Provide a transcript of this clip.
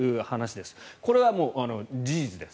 これは事実です。